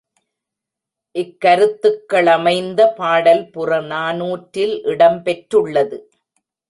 இக்கருத்துக் களமைந்த பாடல் புறநானூற்றில் இடம் பெற்றுள்ளது.